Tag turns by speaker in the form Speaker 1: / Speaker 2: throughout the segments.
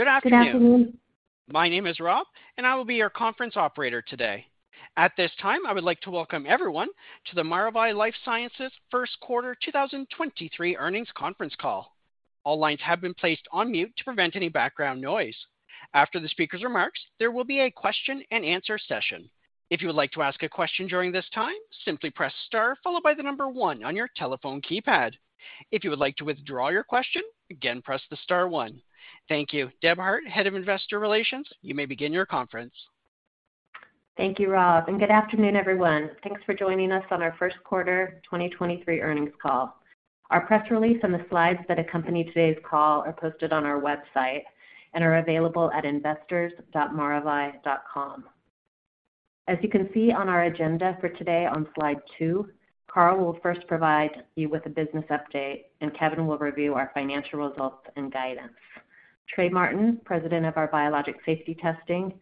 Speaker 1: Good afternoon. My name is Rob. I will be your conference operator today. At this time, I would like to welcome everyone to the Maravai LifeSciences Q1 2023 earnings conference call. All lines have been placed on mute to prevent any background noise. After the speaker's remarks, there will be a Q&A session. If you would like to ask a question during this time, simply press star followed by one on your telephone keypad. If you would like to withdraw your question, again, press the star one. Thank you. Deb Hart, Head of Investor Relations, you may begin your conference.
Speaker 2: Thank you, Rob. Good afternoon, everyone. Thanks for joining us on our Q1 2023 earnings call. Our press release and the slides that accompany today's call are posted on our website and are available at investors.maravai.com. As you can see on our agenda for today on slide two, Carl will first provide you with a business update, and Kevin will review our financial results and guidance. Trey Martin, President of our Biologics Safety Testing,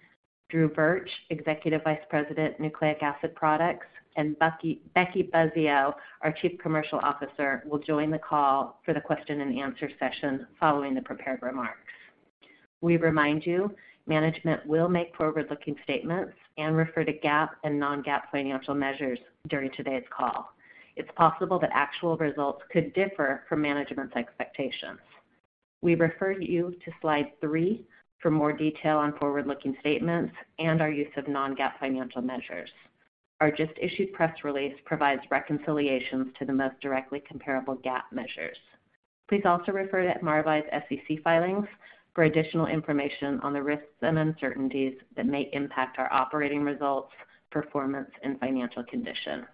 Speaker 2: Drew Burch, Executive Vice President, Nucleic Acid Products, and Becky Buzzeo, our Chief Commercial Officer, will join the call for the Q&A session following the prepared remarks. We remind you management will make forward-looking statements and refer to GAAP and non-GAAP financial measures during today's call. It's possible that actual results could differ from management's expectations. We refer you to slide three for more detail on forward-looking statements and our use of non-GAAP financial measures. Our just-issued press release provides reconciliations to the most directly comparable GAAP measures. Please also refer to Maravai's SEC filings for additional information on the risks and uncertainties that may impact our operating results, performance, and financial condition.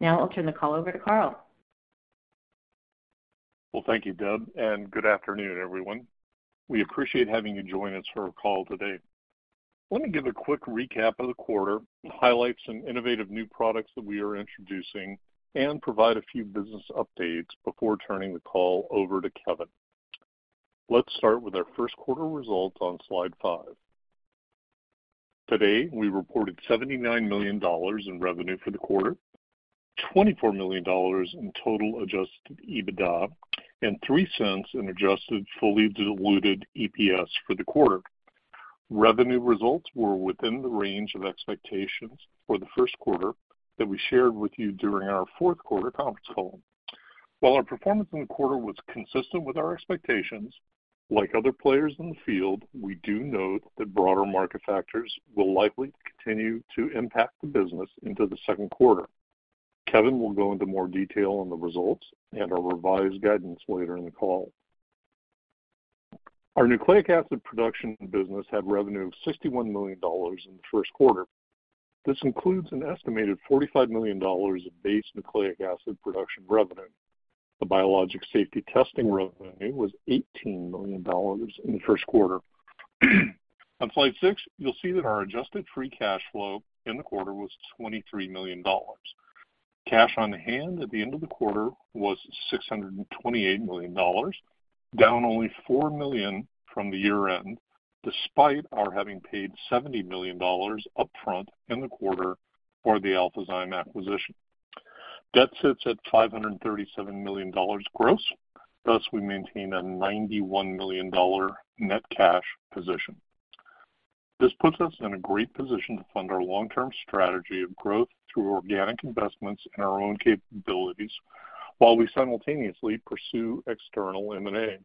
Speaker 2: Now I'll turn the call over to Carl.
Speaker 3: Well, thank you, Deb, and good afternoon, everyone. We appreciate having you join us for our call today. Let me give a quick recap of the quarter, highlights some innovative new products that we are introducing, and provide a few business updates before turning the call over to Kevin. Let's start with our Q1 results on slide five. Today, we reported $79 million in revenue for the quarter, $24 million in total adjusted EBITDA, and $0.03 in adjusted fully diluted EPS for the quarter. Revenue results were within the range of expectations for the Q1 that we shared with you during our Q4 conference call. While our performance in the quarter was consistent with our expectations, like other players in the field, we do note that broader market factors will likely continue to impact the business into the Q2. Kevin will go into more detail on the results and our revised guidance later in the call. Our nucleic acid production business had revenue of $61 million in the Q1. This includes an estimated $45 million of base nucleic acid production revenue. The biologic safety testing revenue was $18 million in the Q1. On slide six, you'll see that our adjusted free cash flow in the quarter was $23 million. Cash on hand at the end of the quarter was $628 million, down only $4 million from the year-end, despite our having paid $70 million up front in the quarter for the Alphazyme acquisition. Debt sits at $537 million gross, thus we maintain a $91 million net cash position. This puts us in a great position to fund our long-term strategy of growth through organic investments in our own capabilities while we simultaneously pursue external M&A.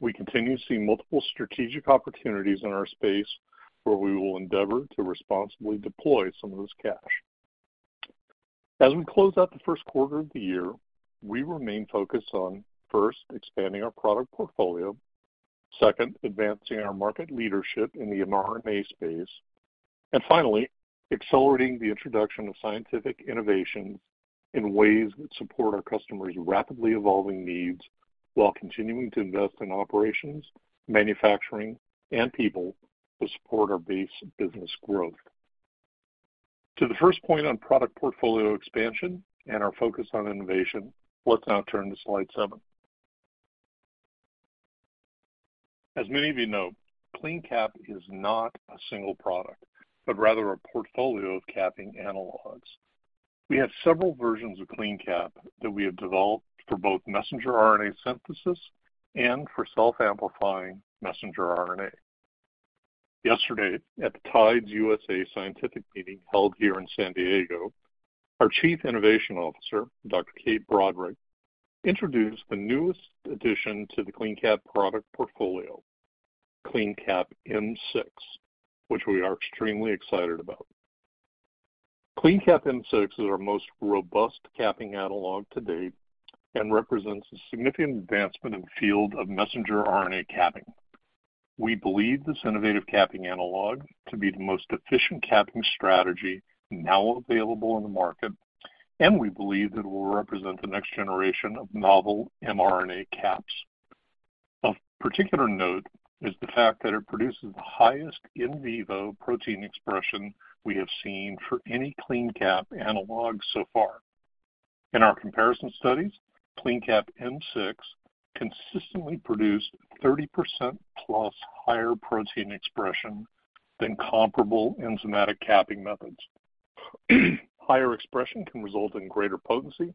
Speaker 3: We continue to see multiple strategic opportunities in our space where we will endeavor to responsibly deploy some of this cash. As we close out the Q1 of the year, we remain focused on, first, expanding our product portfolio, second, advancing our market leadership in the mRNA space, and finally, accelerating the introduction of scientific innovations in ways that support our customers' rapidly evolving needs while continuing to invest in operations, manufacturing, and people to support our base business growth. To the first point on product portfolio expansion and our focus on innovation, let's now turn to slide seven. As many of you know, CleanCap is not a single product, but rather a portfolio of capping analogs. We have several versions of CleanCap that we have developed for both messenger RNA synthesis and for self-amplifying messenger RNA. Yesterday, at the TIDES USA scientific meeting held here in San Diego, our Chief Innovation Officer, Dr. Kate Broderick, introduced the newest addition to the CleanCap product portfolio, CleanCap M6, which we are extremely excited about. CleanCap M6 is our most robust capping analog to date and represents a significant advancement in the field of messenger RNA capping. We believe this innovative capping analog to be the most efficient capping strategy now available on the market, and we believe that it will represent the next generation of novel mRNA caps. Of particular note is the fact that it produces the highest in vivo protein expression we have seen for any CleanCap analog so far. In our comparison studies, CleanCap M6 consistently produced 30%+ higher protein expression than comparable enzymatic capping methods. Higher expression can result in greater potency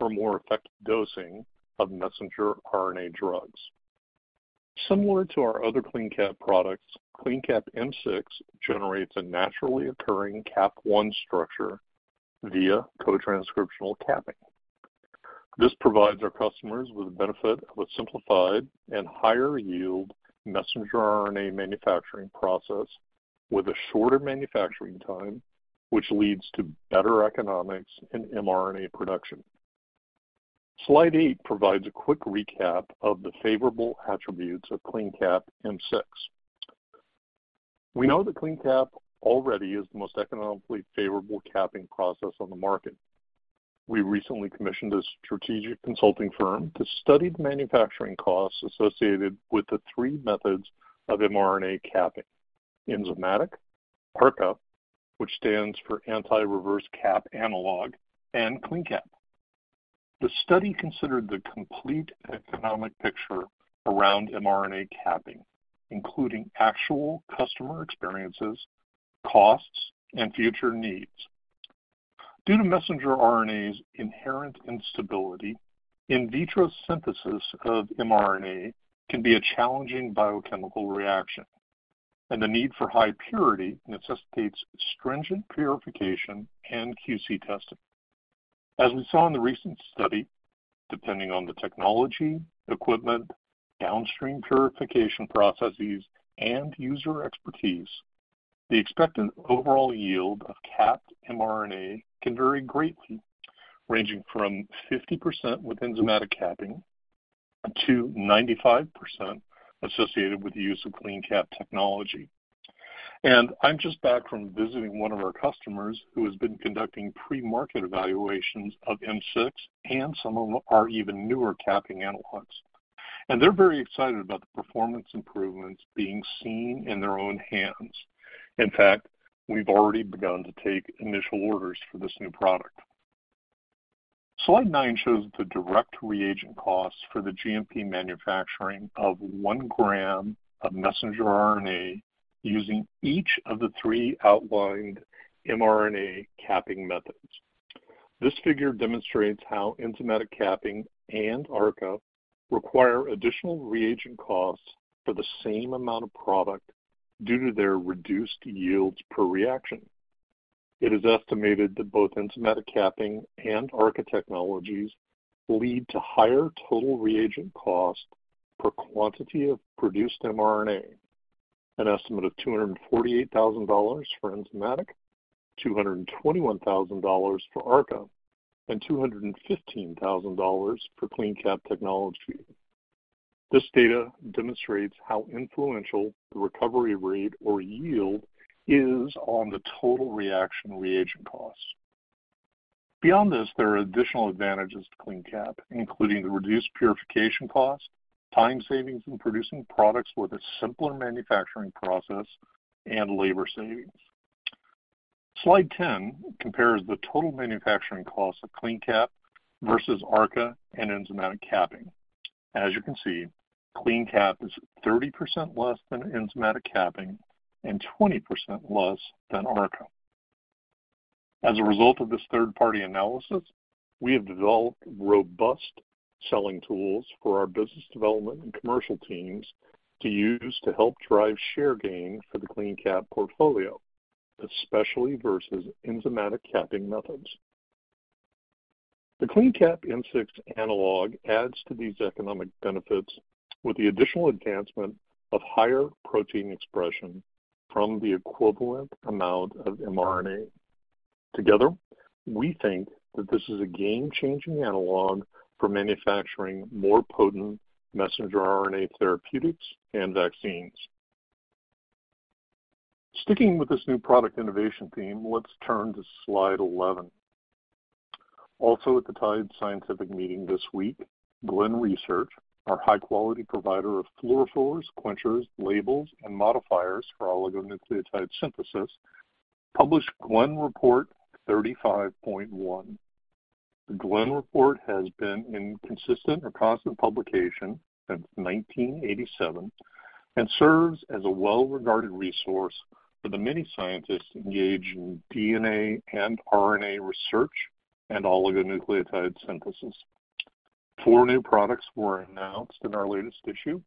Speaker 3: or more effective dosing of messenger RNA drugs. Similar to our other CleanCap products, CleanCap M6 generates a naturally occurring Cap 1 structure via co-transcriptional capping. This provides our customers with the benefit of a simplified and higher yield messenger RNA manufacturing process with a shorter manufacturing time, which leads to better economics in mRNA production. Slide eight provides a quick recap of the favorable attributes of CleanCap M6. We know that CleanCap already is the most economically favorable capping process on the market. We recently commissioned a strategic consulting firm to study the manufacturing costs associated with the three methods of mRNA capping, enzymatic, ARCA, which stands for anti-reverse cap analog, and CleanCap. The study considered the complete economic picture around mRNA capping, including actual customer experiences, costs, and future needs. Due to mRNA's inherent instability, in vitro transcription of mRNA can be a challenging biochemical reaction, and the need for high purity necessitates stringent purification and QC testing. As we saw in the recent study, depending on the technology, equipment, downstream purification processes, and user expertise, the expected overall yield of capped mRNA can vary greatly, ranging from 50% with enzymatic capping to 95% associated with the use of CleanCap technology. I'm just back from visiting one of our customers who has been conducting pre-market evaluations of M6 and some of our even newer capping analogs, and they're very excited about the performance improvements being seen in their own hands. In fact, we've already begun to take initial orders for this new product. Slide nine shows the direct reagent costs for the GMP manufacturing of 1 gm of messenger RNA using each of the three outlined mRNA capping methods. This figure demonstrates how enzymatic capping and ARCA require additional reagent costs for the same amount of product due to their reduced yields per reaction. It is estimated that both enzymatic capping and ARCA technologies lead to higher total reagent cost per quantity of produced mRNA, an estimate of $248,000 for enzymatic, $221,000 for ARCA, and $215,000 for CleanCap technology. This data demonstrates how influential the recovery rate or yield is on the total reaction reagent cost. Beyond this, there are additional advantages to CleanCap, including the reduced purification cost, time savings in producing products with a simpler manufacturing process, and labor savings. Slide 10 compares the total manufacturing costs of CleanCap versus ARCA and enzymatic capping. As you can see, CleanCap is 30% less than enzymatic capping and 20% less than ARCA. As a result of this third-party analysis, we have developed robust selling tools for our business development and commercial teams to use to help drive share gain for the CleanCap portfolio, especially versus enzymatic capping methods. The CleanCap M6 analog adds to these economic benefits with the additional advancement of higher protein expression from the equivalent amount of mRNA. Together, we think that this is a game-changing analog for manufacturing more potent messenger RNA therapeutics and vaccines. Sticking with this new product innovation theme, let's turn to slide 11. Also at the TIDES Scientific Meeting this week, Glen Research, our high-quality provider of fluorophores, quenchers, labels, and modifiers for oligonucleotide synthesis, published Glen Report 35.1. The Glen Report has been in consistent or constant publication since 1987 and serves as a well-regarded resource for the many scientists engaged in DNA and RNA research and oligonucleotide synthesis. Four new products were announced in our latest issue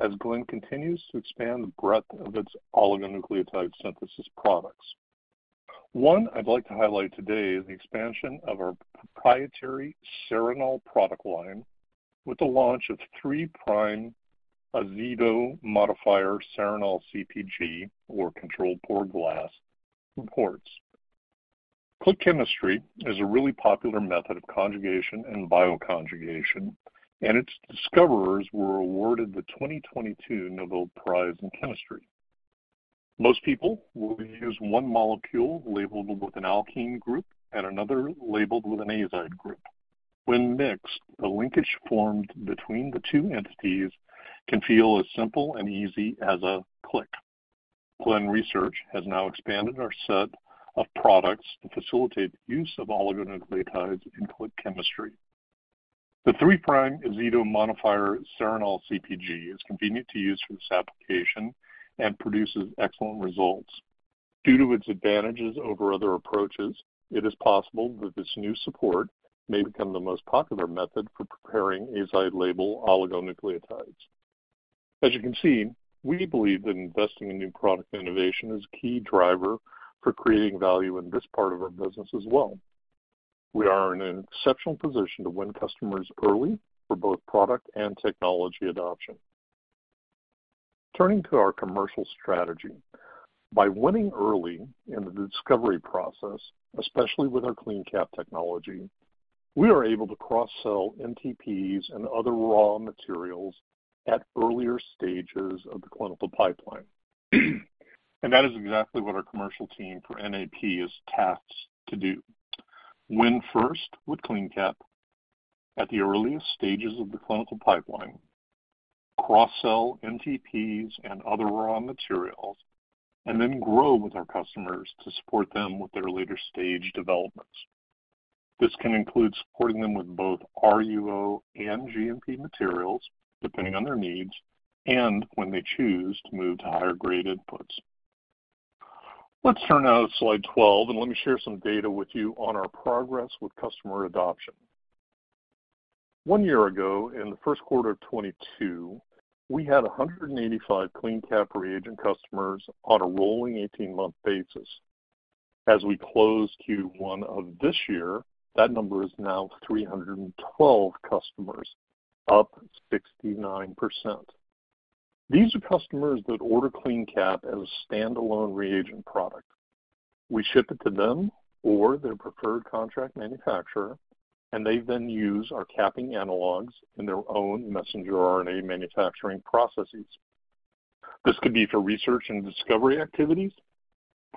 Speaker 3: as Glen continues to expand the breadth of its oligonucleotide synthesis products. One I'd like to highlight today is the expansion of our proprietary Serinol product line with the launch of 3'-Azido-Modifier Serinol CPG, or controlled pore glass, supports. Click chemistry is a really popular method of conjugation and bioconjugation, and its discoverers were awarded the 2022 Nobel Prize in Chemistry. Most people will use one molecule labeled with an alkene group and another labeled with an azide group. When mixed, the linkage formed between the two entities can feel as simple and easy as a click. Glen Research has now expanded our set of products to facilitate use of oligonucleotides in click chemistry. The 3'-Azido-Modifier Serinol CPG is convenient to use for this application and produces excellent results. Due to its advantages over other approaches, it is possible that this new support may become the most popular method for preparing azide label oligonucleotides. As you can see, we believe that investing in new product innovation is a key driver for creating value in this part of our business as well. We are in an exceptional position to win customers early for both product and technology adoption. Turning to our commercial strategy. By winning early in the discovery process, especially with our CleanCap technology, we are able to cross-sell NTPs and other raw materials at earlier stages of the clinical pipeline. That is exactly what our commercial team for NAP is tasked to do. Win first with CleanCap at the earliest stages of the clinical pipeline, cross-sell NTPs and other raw materials, and then grow with our customers to support them with their later stage developments. This can include supporting them with both RUO and GMP materials, depending on their needs and when they choose to move to higher grade inputs. Let's turn now to slide 12 and let me share some data with you on our progress with customer adoption. One year ago, in the Q1 of 2022, we had 185 CleanCap reagent customers on a rolling 18-month basis. As we close Q1 of this year, that number is now 312 customers, up 69%. These are customers that order CleanCap as a standalone reagent product. We ship it to them or their preferred contract manufacturer, and they then use our capping analogs in their own messenger RNA manufacturing processes. This could be for research and discovery activities,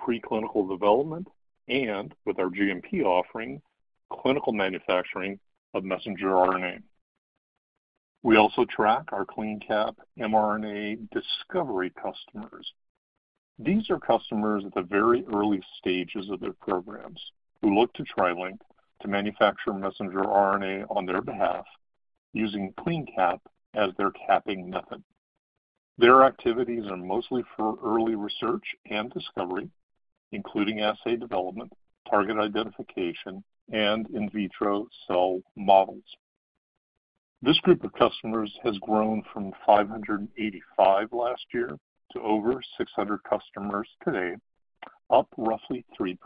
Speaker 3: preclinical development, and with our GMP offering, clinical manufacturing of messenger RNA. We also track our CleanCap mRNA discovery customers. These are customers at the very early stages of their programs who look to TriLink to manufacture messenger RNA on their behalf using CleanCap as their capping method. Their activities are mostly for early research and discovery, including assay development, target identification, and in vitro cell models. This group of customers has grown from 585 last year to over 600 customers today, up roughly 3%.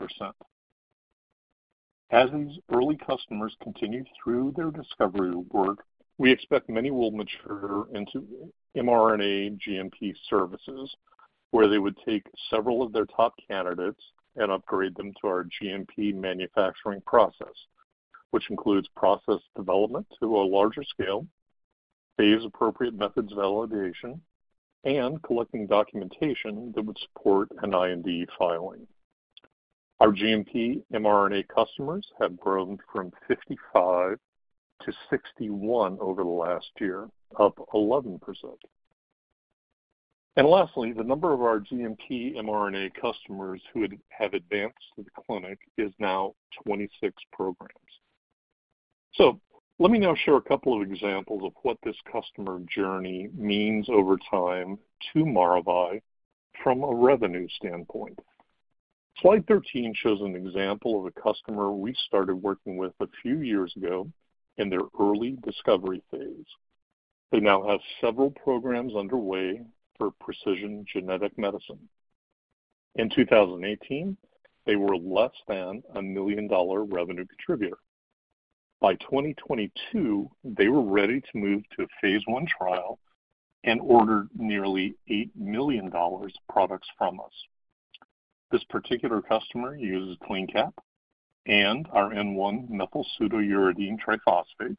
Speaker 3: As these early customers continue through their discovery work, we expect many will mature into mRNA GMP services, where they would take several of their top candidates and upgrade them to our GMP manufacturing process, which includes process development to a larger scale, phase-appropriate methods validation, and collecting documentation that would support an IND filing. Our GMP mRNA customers have grown from 55 to 61 over the last year, up 11%. Lastly, the number of our GMP mRNA customers who have advanced to the clinic is now 26 programs. Let me now share a couple of examples of what this customer journey means over time to Maravai from a revenue standpoint. Slide 13 shows an example of a customer we started working with a few years ago in their early discovery phase. They now have several programs underway for precision genetic medicine. In 2018, they were less than a million-dollar revenue contributor. By 2022, they were ready to move to a phase I trial and ordered nearly $8 million of products from us. This particular customer uses CleanCap and our N1-Methylpseudouridine Triphosphate.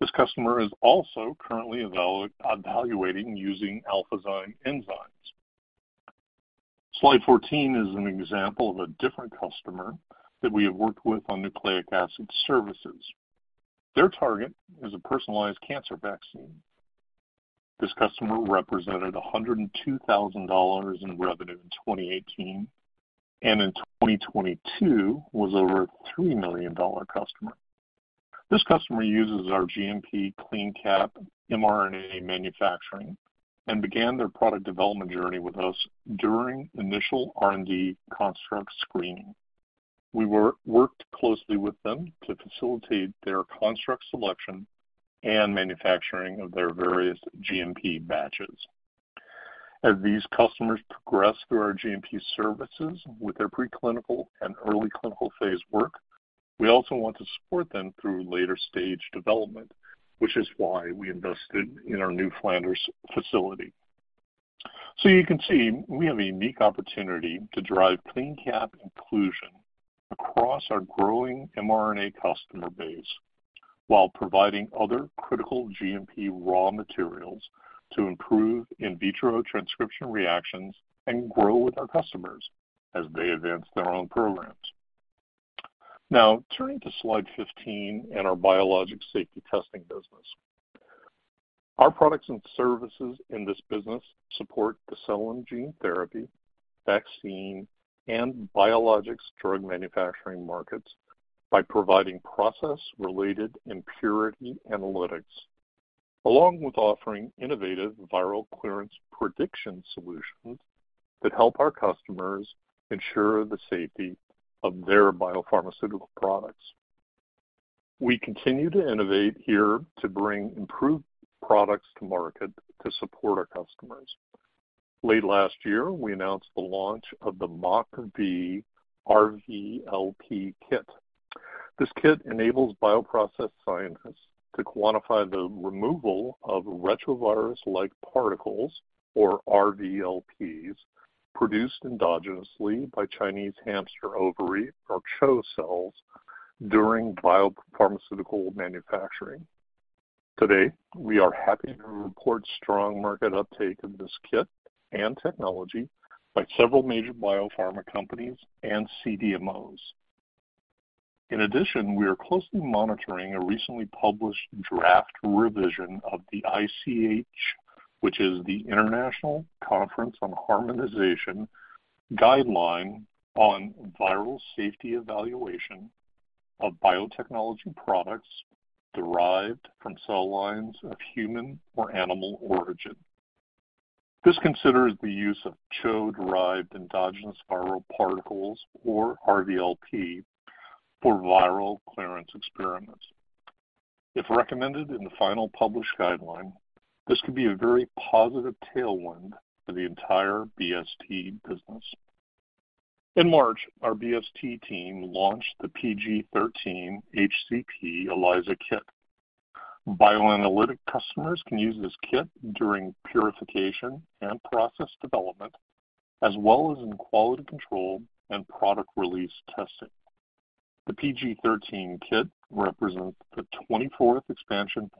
Speaker 3: This customer is also currently evaluating using Alphazyme enzymes. Slide 14 is an example of a different customer that we have worked with on nucleic acid services. Their target is a personalized cancer vaccine. This customer represented $102,000 in revenue in 2018, and in 2022 was over a $3 million customer. This customer uses our GMP CleanCap mRNA manufacturing and began their product development journey with us during initial R&D construct screening. We worked closely with them to facilitate their construct selection and manufacturing of their various GMP batches. As these customers progress through our GMP services with their preclinical and early clinical phase work, we also want to support them through later stage development, which is why we invested in our new Flanders facility. You can see we have a unique opportunity to drive CleanCap inclusion across our growing mRNA customer base while providing other critical GMP raw materials to improve in vitro transcription reactions and grow with our customers as they advance their own programs. Turning to slide 15 and our Biologics Safety Testing business. Our products and services in this business support the cell and gene therapy, vaccine, and biologics drug manufacturing markets by providing process-related impurity analytics, along with offering innovative viral clearance prediction solutions that help our customers ensure the safety of their biopharmaceutical products. We continue to innovate here to bring improved products to market to support our customers. Late last year, we announced the launch of the MockV RVLP Kit. This kit enables bioprocess scientists to quantify the removal of retrovirus-like particles, or RVLPs, produced endogenously by Chinese hamster ovary, or CHO cells, during biopharmaceutical manufacturing. Today, we are happy to report strong market uptake of this kit and technology by several major biopharma companies and CDMOs. In addition, we are closely monitoring a recently published draft revision of the ICH, which is the International Conference on Harmonisation guideline on viral safety evaluation of biotechnology products derived from cell lines of human or animal origin. This considers the use of CHO-derived endogenous viral particles, or RVLP, for viral clearance experiments. If recommended in the final published guideline, this could be a very positive tailwind for the entire BST business. In March, our BST team launched the PG13 HCP ELISA Kit. Bioanalytic customers can use this kit during purification and process development, as well as in quality control and product release testing. The PG13 kit represents the 24th expression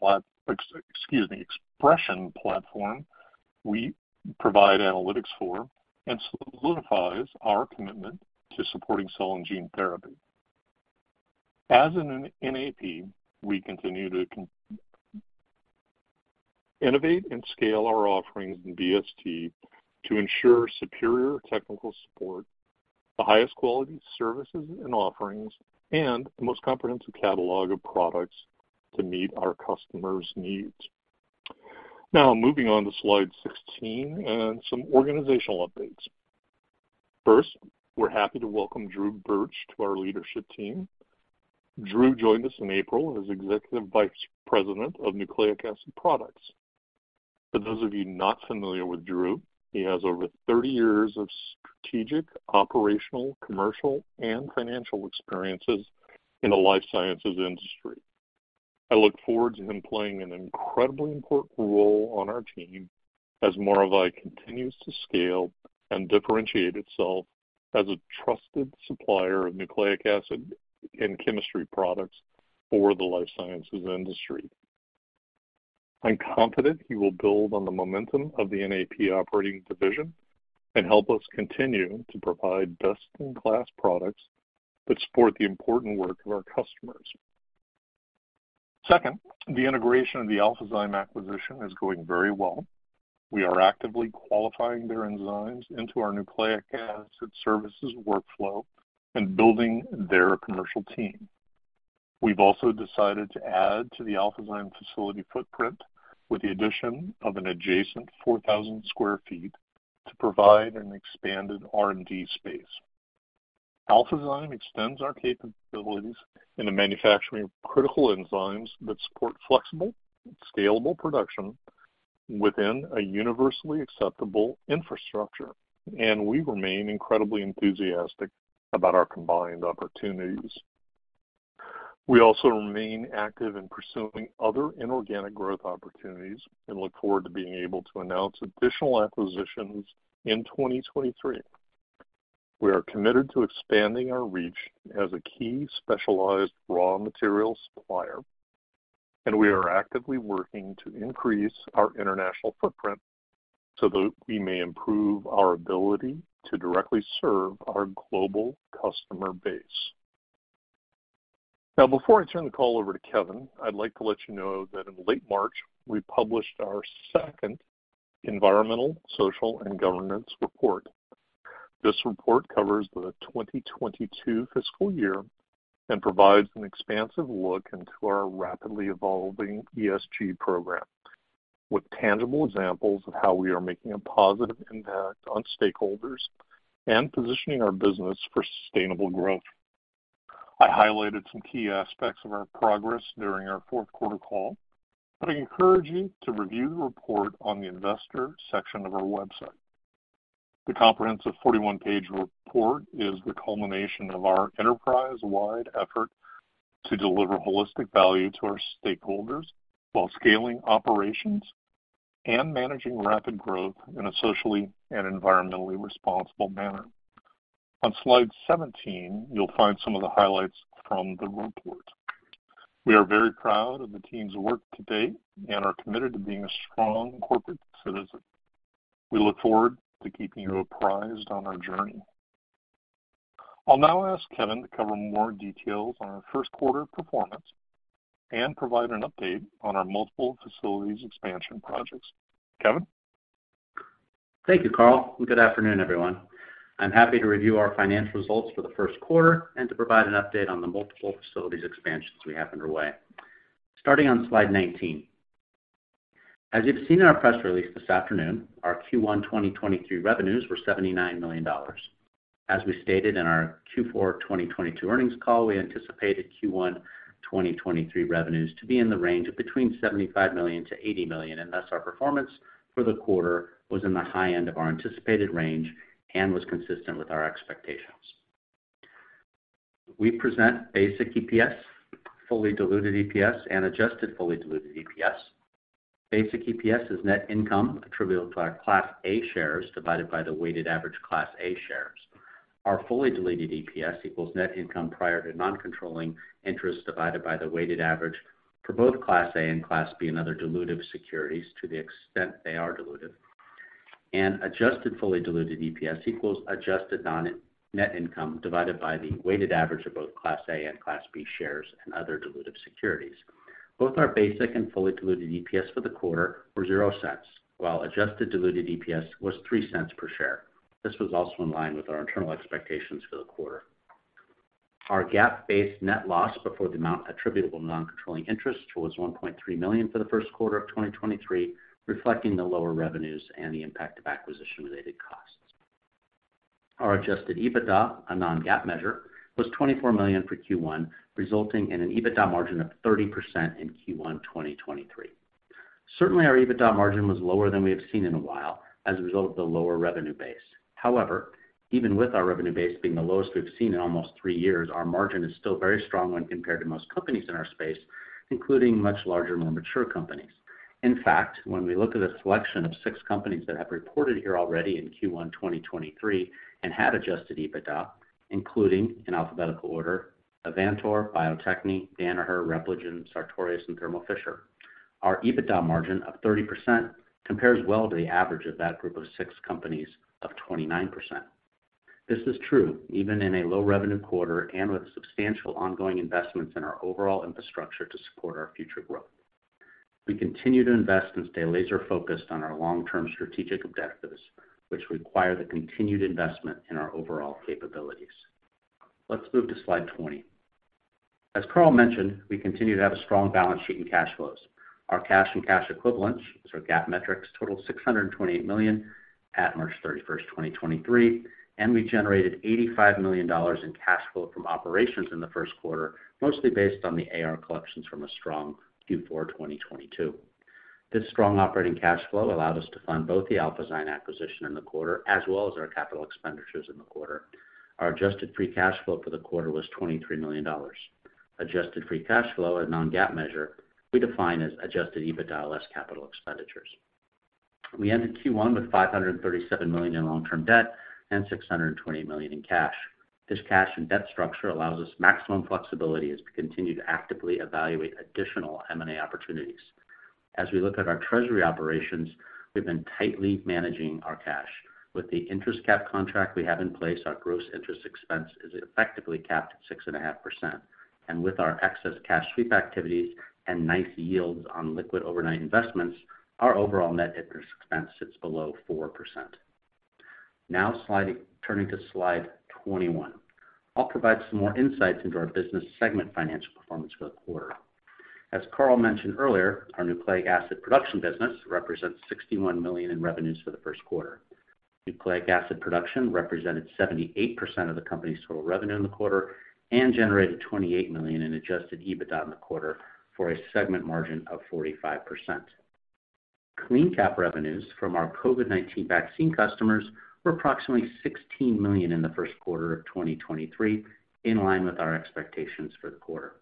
Speaker 3: platform we provide analytics for and solidifies our commitment to supporting cell and gene therapy. As in NAP, we continue to innovate and scale our offerings in BST to ensure superior technical support, the highest quality services and offerings, and the most comprehensive catalog of products to meet our customers' needs. Moving on to slide 16 and some organizational updates. We're happy to welcome Drew Burch to our leadership team. Drew joined us in April as Executive Vice President of Nucleic Acid Products. For those of you not familiar with Drew, he has over 30 years of strategic, operational, commercial, and financial experiences in the life sciences industry. I look forward to him playing an incredibly important role on our team as Maravai continues to scale and differentiate itself as a trusted supplier of nucleic acid and chemistry products for the life sciences industry. I'm confident he will build on the momentum of the NAP operating division and help us continue to provide best-in-class products that support the important work of our customers. Second, the integration of the Alphazyme acquisition is going very well. We are actively qualifying their enzymes into our nucleic acid services workflow and building their commercial team. We've also decided to add to the Alphazyme facility footprint with the addition of an adjacent 4,000 sq ft to provide an expanded R&D space. Alphazyme extends our capabilities in the manufacturing of critical enzymes that support flexible, scalable production within a universally acceptable infrastructure, and we remain incredibly enthusiastic about our combined opportunities. We also remain active in pursuing other inorganic growth opportunities and look forward to being able to announce additional acquisitions in 2023. We are committed to expanding our reach as a key specialized raw material supplier, and we are actively working to increase our international footprint so that we may improve our ability to directly serve our global customer base. Before I turn the call over to Kevin, I'd like to let you know that in late March, we published our second environmental, social, and governance report. This report covers the 2022 fiscal year and provides an expansive look into our rapidly evolving ESG program with tangible examples of how we are making a positive impact on stakeholders and positioning our business for sustainable growth. I highlighted some key aspects of our progress during our fourth quarter call, but I encourage you to review the report on the investor section of our website. The comprehensive 41-page report is the culmination of our enterprise-wide effort to deliver holistic value to our stakeholders while scaling operations and managing rapid growth in a socially and environmentally responsible manner. On slide 17, you'll find some of the highlights from the report. We are very proud of the team's work to date and are committed to being a strong corporate citizen. We look forward to keeping you apprised on our journey. I'll now ask Kevin to cover more details on our Q1 performance and provide an update on our multiple facilities expansion projects. Kevin?
Speaker 4: Thank you, Carl. Good afternoon, everyone. I'm happy to review our financial results for the Q1 and to provide an update on the multiple facilities expansions we have underway. Starting on slide 19. As you've seen in our press release this afternoon, our Q1 2023 revenues were $79 million. As we stated in our Q4 2022 earnings call, we anticipated Q1 2023 revenues to be in the range of between $75 million-$80 million, thus our performance for the quarter was in the high end of our anticipated range and was consistent with our expectations. We present basic EPS, fully diluted EPS, and adjusted fully diluted EPS. Basic EPS is net income attributable to our Class A shares divided by the weighted average Class A shares. Our fully diluted EPS equals net income prior to non-controlling interest divided by the weighted average for both Class A and Class B and other dilutive securities to the extent they are dilutive. Adjusted fully diluted EPS equals adjusted net income divided by the weighted average of both Class A and Class B shares and other dilutive securities. Both our basic and fully diluted EPS for the quarter were $0.00, while adjusted diluted EPS was $0.03 per share. This was also in line with our internal expectations for the quarter. Our GAAP-based net loss before the amount attributable to non-controlling interest was $1.3 million for the Q1 of 2023, reflecting the lower revenues and the impact of acquisition-related costs. Our adjusted EBITDA, a non-GAAP measure, was $24 million for Q1, resulting in an EBITDA margin of 30% in Q1 2023. Our EBITDA margin was lower than we have seen in a while as a result of the lower revenue base. Even with our revenue base being the lowest we've seen in almost three years, our margin is still very strong when compared to most companies in our space, including much larger, more mature companies. When we look at a selection of six companies that have reported here already in Q1 2023 and had adjusted EBITDA, including, in alphabetical order, Avantor, Bio-Techne, Danaher, Repligen, Sartorius, and Thermo Fisher. Our EBITDA margin of 30% compares well to the average of that group of six companies of 29%. This is true even in a low revenue quarter and with substantial ongoing investments in our overall infrastructure to support our future growth. We continue to invest and stay laser-focused on our long-term strategic objectives, which require the continued investment in our overall capabilities. Let's move to slide 20. As Carl mentioned, we continue to have a strong balance sheet and cash flows. Our cash and cash equivalents, so GAAP metrics, totaled $628 million at March 31st, 2023, and we generated $85 million in cash flow from operations in the Q1, mostly based on the AR collections from a strong Q4 2022. This strong operating cash flow allowed us to fund both the Alphazyme acquisition in the quarter as well as our capital expenditures in the quarter. Our adjusted free cash flow for the quarter was $23 million. Adjusted free cash flow, a non-GAAP measure, we define as adjusted EBITDA less capital expenditures. We ended Q1 with $537 million in long-term debt and $620 million in cash. This cash and debt structure allows us maximum flexibility as we continue to actively evaluate additional M&A opportunities. As we look at our treasury operations, we've been tightly managing our cash. With the interest cap contract we have in place, our gross interest expense is effectively capped at 6.5%. With our excess cash sweep activities and nice yields on liquid overnight investments, our overall net interest expense sits below 4%. Turning to slide 21. I'll provide some more insights into our business segment financial performance for the quarter. As Carl mentioned earlier, our nucleic acid production business represents $61 million in revenues for the Q1. Nucleic acid production represented 78% of the company's total revenue in the quarter and generated $28 million in adjusted EBITDA in the quarter for a segment margin of 45%. CleanCap revenues from our COVID-19 vaccine customers were approximately $16 million in the Q1 of 2023, in line with our expectations for the quarter.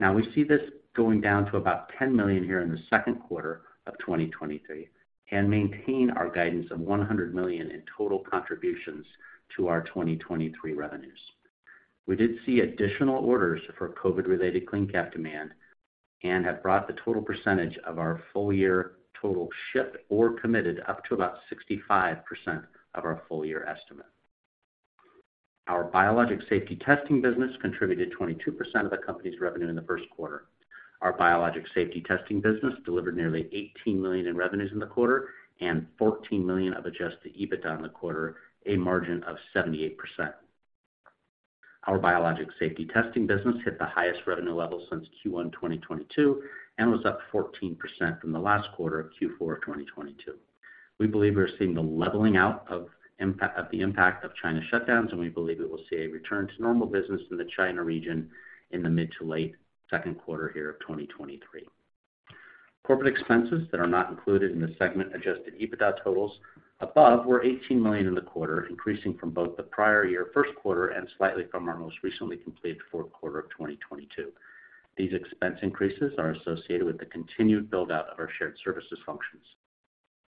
Speaker 4: We see this going down to about $10 million here in the Q2 of 2023 and maintain our guidance of $100 million in total contributions to our 2023 revenues. We did see additional orders for COVID-related CleanCap demand and have brought the total percentage of our full year total shipped or committed up to about 65% of our full year estimate. Our biologic safety testing business contributed 22% of the company's revenue in the Q1. Our Biologics Safety Testing business delivered nearly $18 million in revenues in the quarter and $14 million of adjusted EBITDA in the quarter, a margin of 78%. Our Biologics Safety Testing business hit the highest revenue level since Q1 2022 and was up 14% from the last quarter of Q4 2022. We believe we're seeing the leveling out of the impact of China shutdowns, and we believe we will see a return to normal business in the China region in the mid to late Q2 here of 2023. Corporate expenses that are not included in the segment adjusted EBITDA totals above were $18 million in the quarter, increasing from both the prior year Q1 and slightly from our most recently completed Q4 of 2022. These expense increases are associated with the continued build-out of our shared services functions.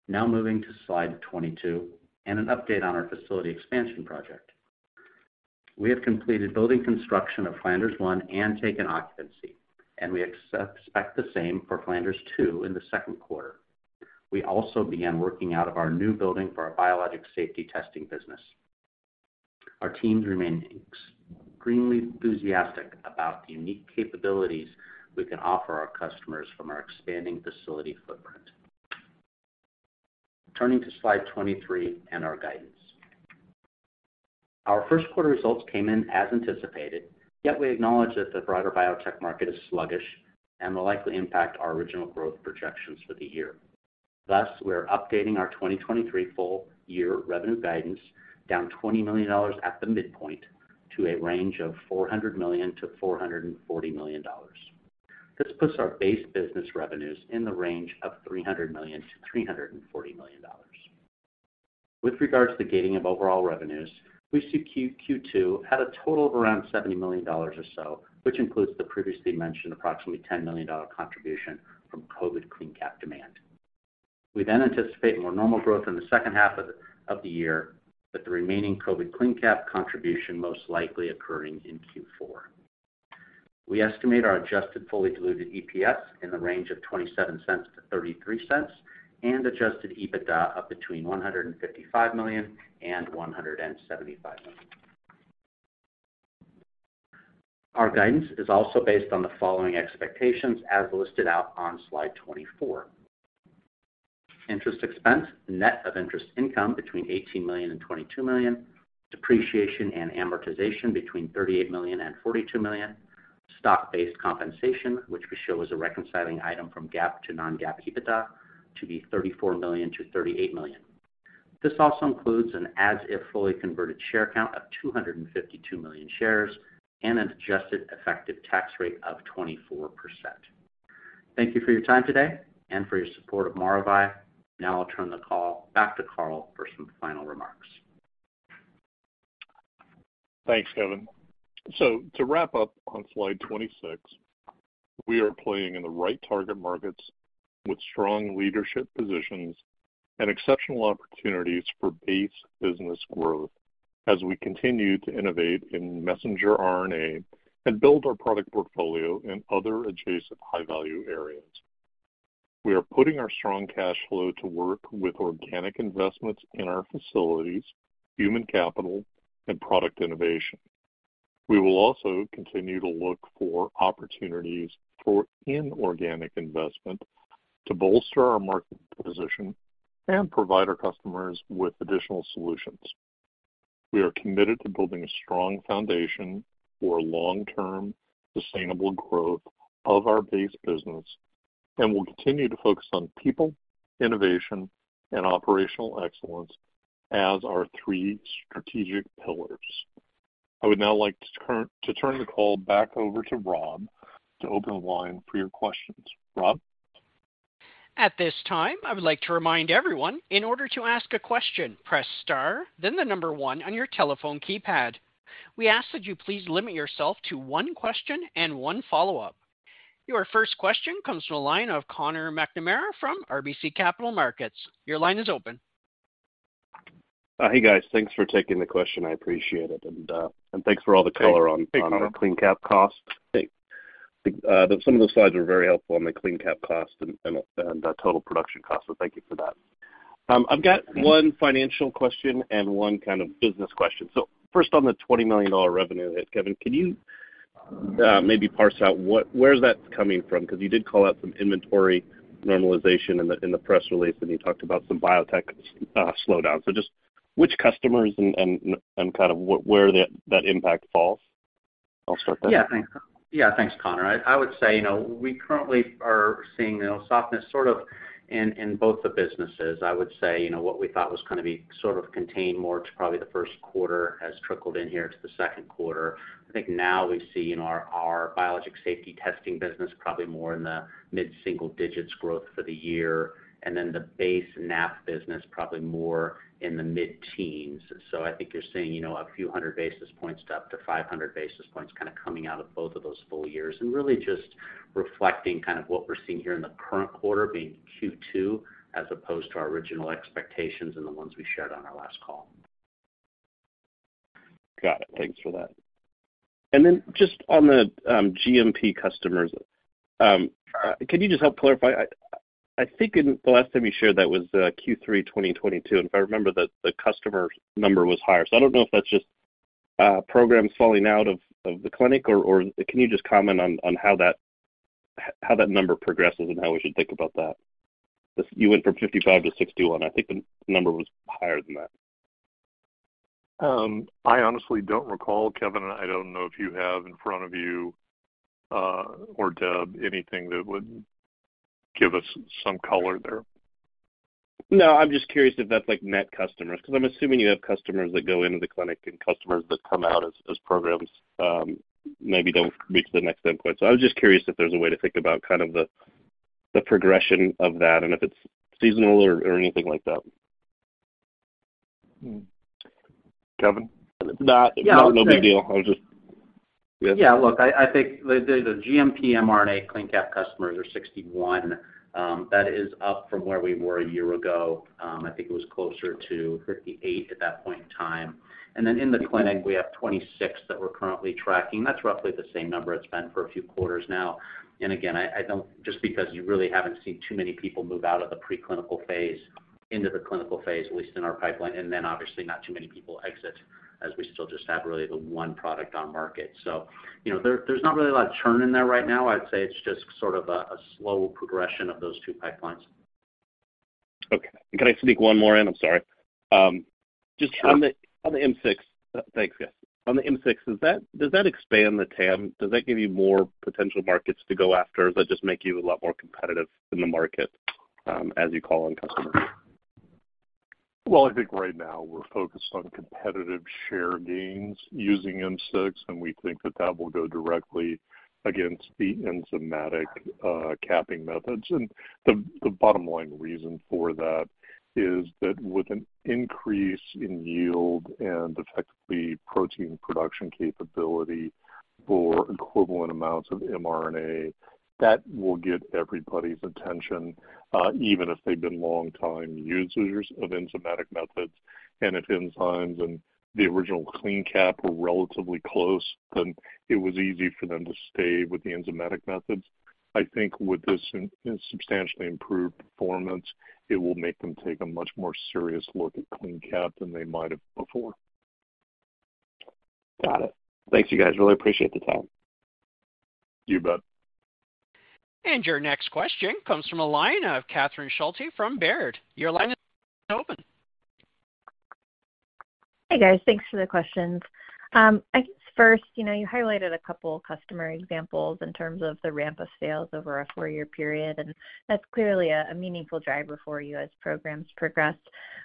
Speaker 4: Moving to slide 22 and an update on our facility expansion project. We have completed building construction of Flanders I and taken occupancy, and we expect the same for Flanders II in the Q2. we also began working out of our new building for our biologics safety testing business. Our teams remain extremely enthusiastic about the unique capabilities we can offer our customers from our expanding facility footprint. Turning to slide 23 and our guidance. Our Q1 results came in as anticipated, yet we acknowledge that the broader biotech market is sluggish and will likely impact our original growth projections for the year. We're updating our 2023 full year revenue guidance down $20 million at the midpoint to a range of $400 million-$440 million. This puts our base business revenues in the range of $300 million-$340 million. With regards to the gating of overall revenues, we see Q2 had a total of around $70 million or so, which includes the previously mentioned approximately $10 million contribution from COVID CleanCap demand. We anticipate more normal growth in the second half of the year, with the remaining COVID CleanCap contribution most likely occurring in Q4. We estimate our adjusted fully diluted EPS in the range of $0.27-$0.33 and adjusted EBITDA of between $155 million and $175 million. Our guidance is also based on the following expectations as listed out on slide 24. Interest expense, net of interest income between $18 million and $22 million. Depreciation and amortization between $38 million and $42 million. Stock-based compensation, which we show as a reconciling item from GAAP to non-GAAP EBITDA to be $34 million-$38 million. This also includes an as if fully converted share count of 252 million shares and an adjusted effective tax rate of 24%. Thank you for your time today and for your support of Maravai. I'll turn the call back to Carl for some final remarks.
Speaker 3: Thanks, Kevin. To wrap up on slide 26, we are playing in the right target markets with strong leadership positions and exceptional opportunities for base business growth as we continue to innovate in messenger RNA and build our product portfolio in other adjacent high-value areas. We are putting our strong cash flow to work with organic investments in our facilities, human capital, and product innovation. We will also continue to look for opportunities for inorganic investment to bolster our market position and provide our customers with additional solutions. We are committed to building a strong foundation for long-term sustainable growth of our base business, and we'll continue to focus on people, innovation, and operational excellence as our three strategic pillars. I would now like to turn the call back over to Rob to open the line for your questions. Rob?
Speaker 1: At this time, I would like to remind everyone in order to ask a question, press star then one on your telephone keypad. We ask that you please limit yourself to one question and one follow-up. Your first question comes from the line of Conor McNamara from RBC Capital Markets. Your line is open.
Speaker 5: Hey, guys. Thanks for taking the question, I appreciate it. Thanks for all the color on-
Speaker 3: Hey, Conor....
Speaker 5: on the CleanCap cost.
Speaker 3: Thanks.
Speaker 5: Some of the slides were very helpful on the CleanCap cost and the total production cost. Thank you for that. I've got one financial question and one kind of business question. First on the $20 million revenue hit, Kevin, can you maybe parse out where that's coming from? 'Cause you did call out some inventory normalization in the press release, and you talked about some biotech slowdown. Just which customers and kind of where that impact falls? I'll start there.
Speaker 4: Thanks. Conor. I would say, you know, we currently are seeing, you know, softness sort of in both the businesses. I would say, you know, what we thought was gonna be sort of contained more to probably the Q1 has trickled in here to the Q2. I think now we see in our Biologics Safety Testing business, probably more in the mid-single digits growth for the year, and then the base NAP business probably more in the mid-teens. I think you're seeing, you know, a few hundred basis points to up to 500 basis points kinda coming out of both of those full years and really just reflecting kind of what we're seeing here in the current quarter, being Q2, as opposed to our original expectations and the ones we shared on our last call.
Speaker 5: Got it. Thanks for that. Just on the GMP customers, can you just help clarify? I think in the last time you shared that was Q3 2022, and if I remember, the customer number was higher. I don't know if that's just programs falling out of the clinic or can you just comment on how that number progresses and how we should think about that? You went from 55 to 61. I think the number was higher than that.
Speaker 3: I honestly don't recall. Kevin, I don't know if you have in front of you, or Deb, anything that would give us some color there.
Speaker 5: No, I'm just curious if that's like net customers 'cause I'm assuming you have customers that go into the clinic and customers that come out as programs, maybe don't reach the next endpoint. I was just curious if there's a way to think about kind of the progression of that and if it's seasonal or anything like that.
Speaker 3: Kevin?
Speaker 4: No.
Speaker 5: It's not no big deal. I was just...
Speaker 4: Yeah, look, I think the GMP mRNA CleanCap customers are 61. That is up from where we were a year ago. I think it was closer to 58 at that point in time. In the clinic, we have 26 that we're currently tracking. That's roughly the same number it's been for a few quarters now. Just because you really haven't seen too many people move out of the preclinical phase into the clinical phase, at least in our pipeline, and then obviously not too many people exit as we still just have really the one product on market. You know, there's not really a lot of churn in there right now. I'd say it's just sort of a slow progression of those two pipelines.
Speaker 5: Okay. Can I sneak one more in? I'm sorry.
Speaker 4: Sure.
Speaker 5: Just on the, on the M6. Thanks, guys. On the M6, does that expand the TAM? Does that give you more potential markets to go after? Does that just make you a lot more competitive in the market, as you call on customers?
Speaker 3: Well, I think right now we're focused on competitive share gains using M6, and we think that that will go directly against the enzymatic capping methods. The bottom line reason for that is that with an increase in yield and effectively protein production capability for equivalent amounts of mRNA, that will get everybody's attention, even if they've been longtime users of enzymatic methods. If enzymes and the original CleanCap were relatively close, then it was easy for them to stay with the enzymatic methods. I think with this substantially improved performance, it will make them take a much more serious look at CleanCap than they might have before.
Speaker 5: Got it. Thanks, you guys. Really appreciate the time.
Speaker 3: You bet.
Speaker 1: Your next question comes from a line of Catherine Schulte from Baird. Your line is open.
Speaker 6: Hey, guys. Thanks for the questions. I guess first, you know, you highlighted a couple customer examples in terms of the ramp of sales over a four-year period, that's clearly a meaningful driver for you as programs progress.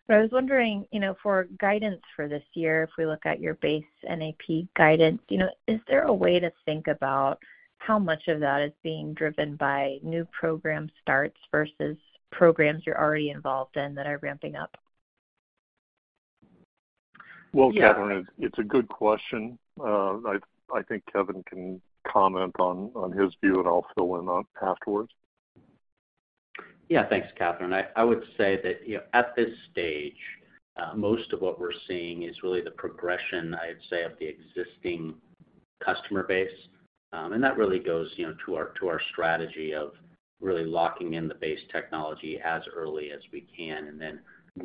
Speaker 6: I was wondering, you know, for guidance for this year, if we look at your base NAP guidance, you know, is there a way to think about how much of that is being driven by new program starts versus programs you're already involved in that are ramping up?
Speaker 3: Well, Catherine, it's a good question. I think Kevin can comment on his view and I'll fill in on afterwards.
Speaker 4: Yeah. Thanks, Catherine. I would say that, you know, at this stage, most of what we're seeing is really the progression, I'd say, of the existing customer base. That really goes, you know, to our strategy of really locking in the base technology as early as we can and then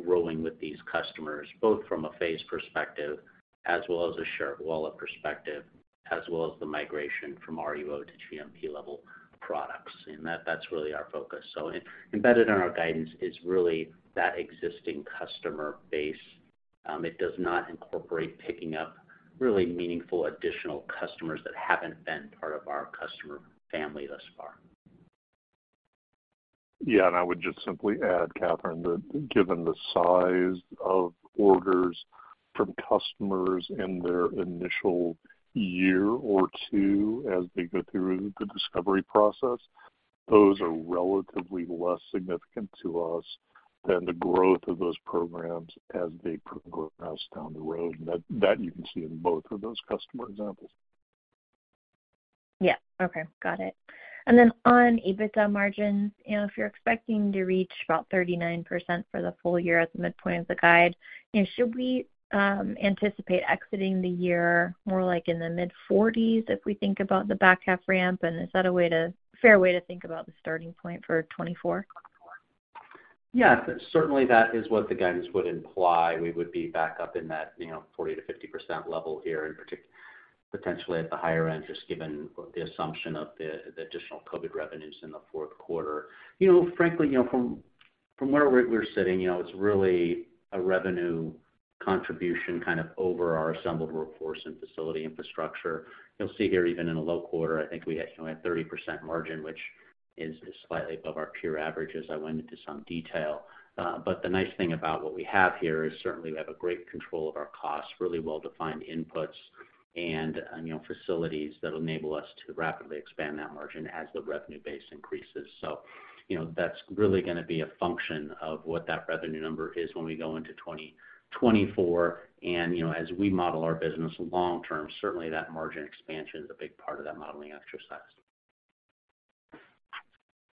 Speaker 4: growing with these customers, both from a phase perspective as well as a share of wallet perspective, as well as the migration from RUO to GMP level products. That's really our focus. Embedded in our guidance is really that existing customer base. It does not incorporate picking up really meaningful additional customers that haven't been part of our customer family thus far.
Speaker 3: Yeah. I would just simply add, Catherine, that given the size of orders from customers in their initial year or two as they go through the discovery process, those are relatively less significant to us than the growth of those programs as they progress down the road. That you can see in both of those customer examples.
Speaker 6: Yeah. Okay. Got it. On EBITDA margins, you know, if you're expecting to reach about 39% for the full year at the midpoint of the guide, you know, should we anticipate exiting the year more like in the mid-40s if we think about the back half ramp, is that a fair way to think about the starting point for 2024?
Speaker 4: Yeah. Certainly, that is what the guidance would imply. We would be back up in that, you know, 40%-50% level here potentially at the higher end, just given the assumption of the additional COVID revenues in the Q4. You know, frankly, you know, from where we're sitting, you know, it's really a revenue contribution kind of over our assembled workforce and facility infrastructure. You'll see here, even in a low quarter, I think we had, you know, a 30% margin, which is slightly above our peer average, as I went into some detail. But the nice thing about what we have here is certainly we have a great control of our costs, really well-defined inputs and, you know, facilities that enable us to rapidly expand that margin as the revenue base increases. You know, that's really gonna be a function of what that revenue number is when we go into 2024. you know, as we model our business long term, certainly that margin expansion is a big part of that modeling exercise.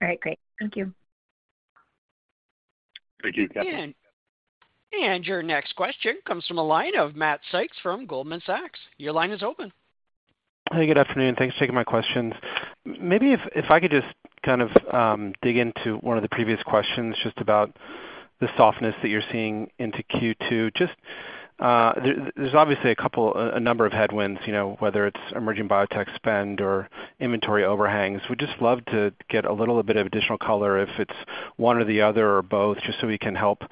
Speaker 6: All right. Great. Thank you.
Speaker 3: Thank you, Catherine.
Speaker 1: Your next question comes from a line of Matt Sykes from Goldman Sachs. Your line is open.
Speaker 7: Hey, good afternoon. Thanks for taking my questions. Maybe if I could just kind of dig into one of the previous questions just about the softness that you're seeing into Q2. There's obviously a number of headwinds, you know, whether it's emerging biotech spend or inventory overhangs. Would just love to get a little bit of additional color if it's one or the other or both, just so we can help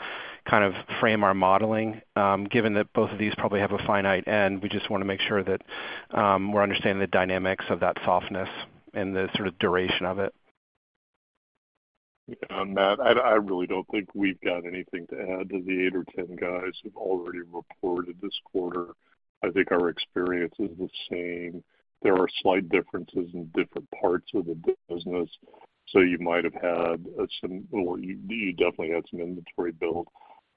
Speaker 7: kind of frame our modeling. Given that both of these probably have a finite end, we just wanna make sure that we're understanding the dynamics of that softness and the sort of duration of it.
Speaker 3: Yeah. Matt, I really don't think we've got anything to add to the eight or 10 guys who've already reported this quarter. I think our experience is the same. There are slight differences in different parts of the business, so you might have had some or we definitely had some inventory build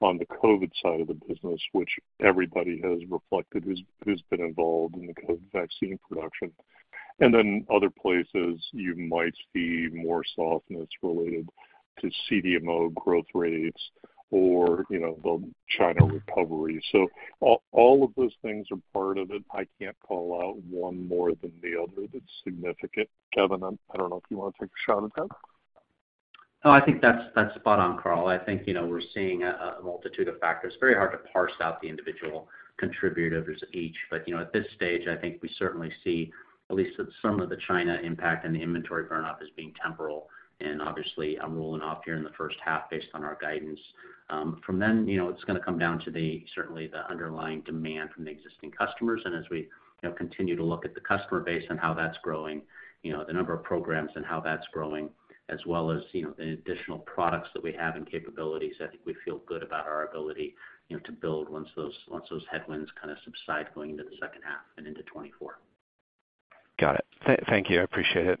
Speaker 3: on the COVID side of the business, which everybody has reflected who's been involved in the COVID vaccine production. Other places you might see more softness related to CDMO growth rates or, you know, the China recovery. All of those things are part of it. I can't call out one more than the other that's significant. Kevin, I don't know if you want to take a shot at that.
Speaker 4: No, I think that's spot on, Carl. I think, you know, we're seeing a multitude of factors. Very hard to parse out the individual contributors each. You know, at this stage, I think we certainly see at least some of the China impact and the inventory burn-off as being temporal and obviously rolling off here in the first half based on our guidance. From then, you know, it's going to come down to the certainly the underlying demand from the existing customers. As we, you know, continue to look at the customer base and how that's growing, you know, the number of programs and how that's growing, as well as, you know, the additional products that we have and capabilities, I think we feel good about our ability, you know, to build once those headwinds kind of subside going into the second half and into 2024.
Speaker 7: Got it. Thank you. I appreciate it.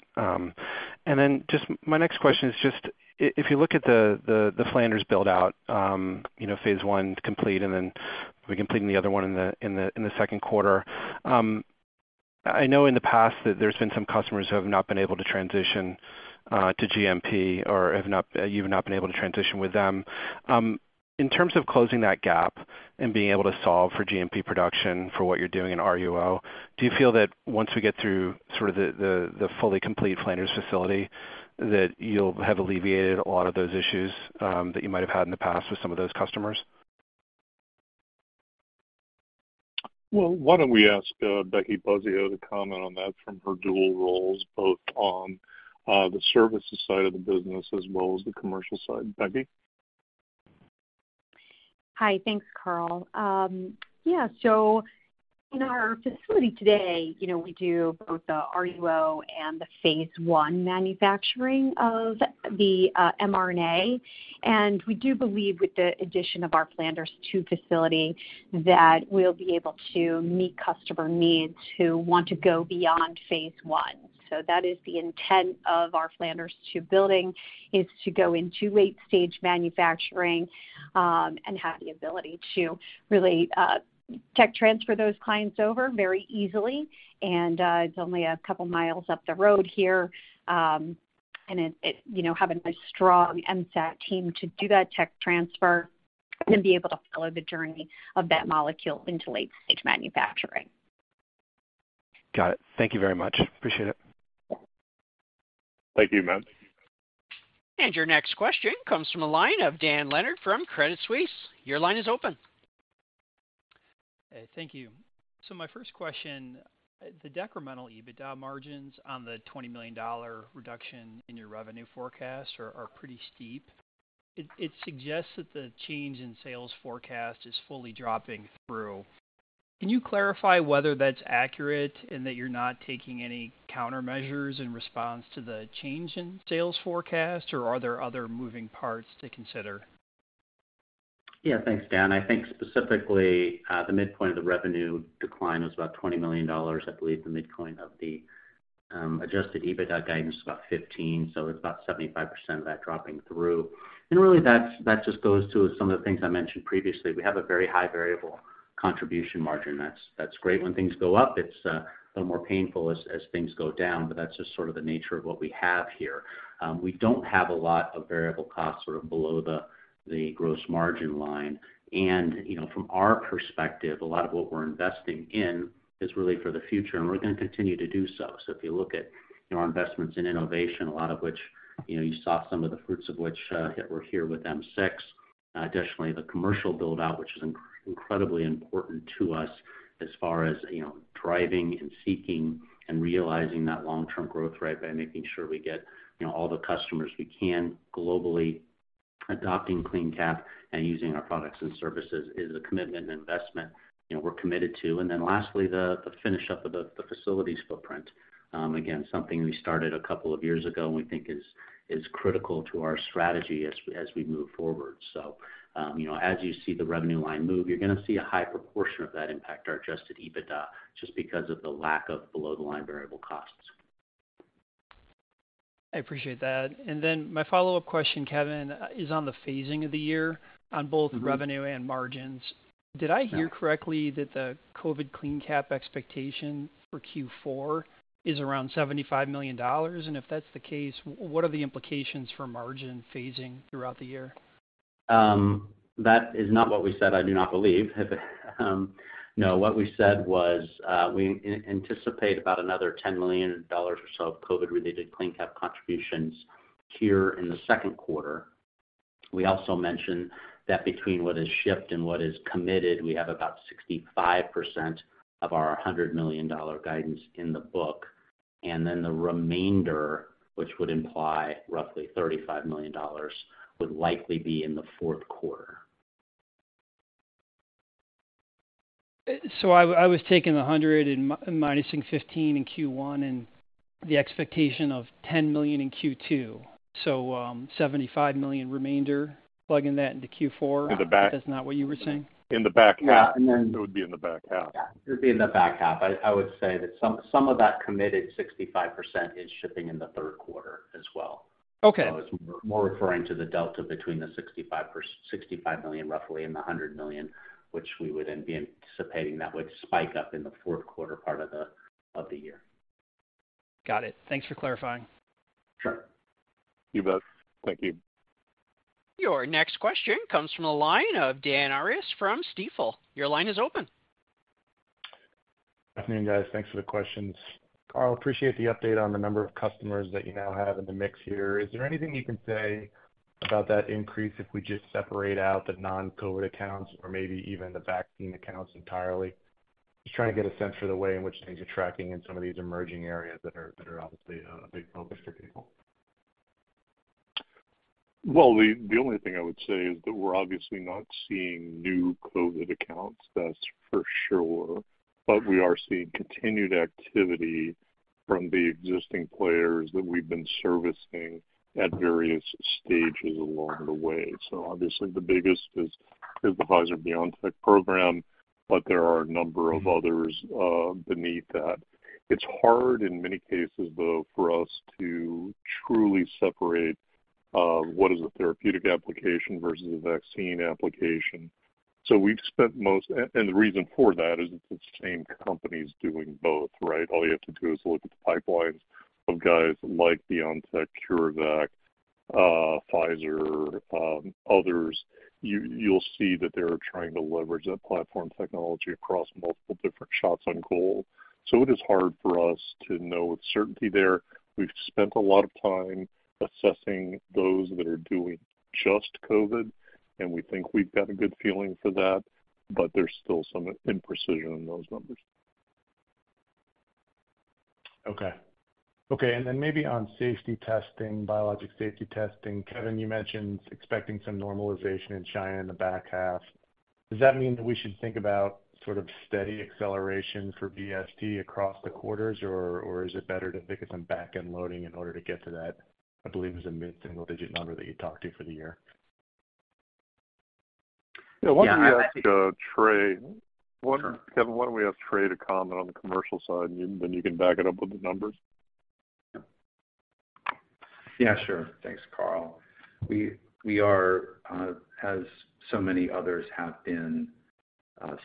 Speaker 7: Then just my next question is just if you look at the Flanders build-out, you know, phase one complete, and then we're completing the other one in the Q2. I know in the past that there's been some customers who have not been able to transition to GMP or you've not been able to transition with them. In terms of closing that gap and being able to solve for GMP production for what you're doing in RUO, do you feel that once we get through sort of the fully complete Flanders facility, that you'll have alleviated a lot of those issues that you might have had in the past with some of those customers?
Speaker 3: Why don't we ask Becky Buzzeo to comment on that from her dual roles, both on the services side of the business as well as the commercial side. Becky?
Speaker 8: Hi. Thanks, Carl. Yeah. In our facility today, you know, we do both the RUO and the phase I manufacturing of the mRNA. We do believe with the addition of our Flanders 2 facility, that we'll be able to meet customer needs who want to go beyond phase I. That is the intent of our Flanders 2 building, is to go into late-stage manufacturing, and have the ability to really, tech transfer those clients over very easily. It's only a couple of miles up the road here. It, you know, have a nice, strong MSAT team to do that tech transfer and be able to follow the journey of that molecule into late-stage manufacturing.
Speaker 7: Got it. Thank you very much. Appreciate it.
Speaker 3: Thank you, Matt.
Speaker 1: Your next question comes from the line of Dan Leonard from Credit Suisse. Your line is open.
Speaker 9: Thank you. My first question, the decremental EBITDA margins on the $20 million reduction in your revenue forecast are pretty steep. It suggests that the change in sales forecast is fully dropping through. Can you clarify whether that's accurate and that you're not taking any countermeasures in response to the change in sales forecast, or are there other moving parts to consider?
Speaker 4: Yeah. Thanks, Dan. I think specifically, the midpoint of the revenue decline was about $20 million. I believe the midpoint of the adjusted EBITDA guidance was about $15 million, so it's about 75% of that dropping through. Really that just goes to some of the things I mentioned previously. We have a very high variable contribution margin. That's great when things go up. It's a little more painful as things go down, but that's just sort of the nature of what we have here. We don't have a lot of variable costs sort of below the gross margin line. You know, from our perspective, a lot of what we're investing in is really for the future, and we're going to continue to do so. If you look at our investments in innovation, a lot of which, you know, you saw some of the fruits of which that were here with M6. Additionally, the commercial build-out, which is incredibly important to us as far as, you know, driving and seeking and realizing that long-term growth rate by making sure we get, you know, all the customers we can globally adopting CleanCap and using our products and services is a commitment and investment, you know, we're committed to. Lastly, the finish up of the facilities footprint. Again, something we started a couple of years ago and we think is critical to our strategy as we move forward. You know, as you see the revenue line move, you're going to see a high proportion of that impact our adjusted EBITDA just because of the lack of below-the-line variable costs.
Speaker 9: I appreciate that. My follow-up question, Kevin, is on the phasing of the year on both revenue and margins. Did I hear correctly that the COVID CleanCap expectation for Q4 is around $75 million? If that's the case, what are the implications for margin phasing throughout the year?
Speaker 4: That is not what we said, I do not believe. No. What we said was, we anticipate about another $10 million or so of COVID-related CleanCap contributions here in the Q2. We also mentioned that between what is shipped and what is committed, we have about 65% of our $100 million guidance in the book. The remainder, which would imply roughly $35 million, would likely be in the Q4.
Speaker 9: I was taking the $100 million and minusing $15 million in Q1 and the expectation of $10 million in Q2. $75 million remainder, plugging that into Q4. That's not what you were saying?
Speaker 3: In the back half. It would be in the back half.
Speaker 4: Yeah. It would be in the back half. I would say that some of that committed 65% is shipping in the Q3 as well.
Speaker 9: Okay.
Speaker 4: I was more referring to the delta between the $65 million roughly and the $100 million, which we would then be anticipating that would spike up in the Q4 part of the year.
Speaker 9: Got it. Thanks for clarifying.
Speaker 4: Sure.
Speaker 3: You bet. Thank you.
Speaker 1: Your next question comes from the line of Dan Arias from Stifel. Your line is open.
Speaker 10: Good evening, guys. Thanks for the questions. Carl, appreciate the update on the number of customers that you now have in the mix here. Is there anything you can say about that increase if we just separate out the non-COVID accounts or maybe even the vaccine accounts entirely? Just trying to get a sense for the way in which things are tracking in some of these emerging areas that are obviously a big focus for people.
Speaker 3: The only thing I would say is that we're obviously not seeing new COVID accounts. That's for sure. We are seeing continued activity from the existing players that we've been servicing at various stages along the way. Obviously the biggest is the Pfizer-BioNTech program, but there are a number of others beneath that. It's hard in many cases, though, for us to truly separate what is a therapeutic application versus a vaccine application. The reason for that is it's the same companies doing both, right? All you have to do is look at the pipelines of guys like BioNTech, CureVac, Pfizer, others. You'll see that they're trying to leverage that platform technology across multiple different shots on goal. It is hard for us to know with certainty there. We've spent a lot of time assessing those that are doing just COVID, and we think we've got a good feeling for that, but there's still some imprecision in those numbers.
Speaker 10: Okay. Okay, maybe on safety testing, Biologics Safety Testing, Kevin, you mentioned expecting some normalization in China in the back half. Does that mean that we should think about sort of steady acceleration for BST across the quarters, or is it better to think of some back-end loading in order to get to that, I believe, is a mid-single-digit number that you talked to for the year?
Speaker 3: Yeah. Why don't we ask, Trey?
Speaker 10: Sure.
Speaker 3: Kevin, why don't we ask Trey to comment on the commercial side, and then you can back it up with the numbers?
Speaker 11: Yeah, sure. Thanks, Carl. We, we are, as so many others have been,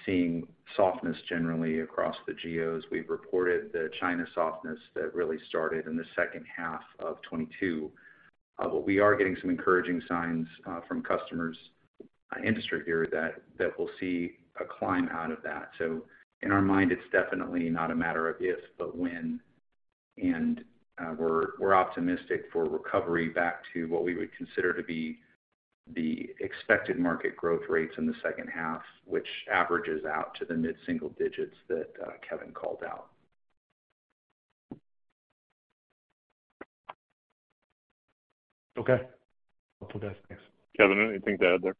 Speaker 11: seeing softness generally across the geos. We've reported the China softness that really started in the second half of 2022. We are getting some encouraging signs from customers, industry here that we'll see a climb out of that. In our mind, it's definitely not a matter of if, but when. We're, we're optimistic for recovery back to what we would consider to be the expected market growth rates in the second half, which averages out to the mid-single digits that Kevin called out.
Speaker 10: Okay. Will do that. Thanks.
Speaker 3: Kevin, anything to add there?